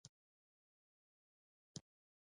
هند یو پخوانی دوست دی.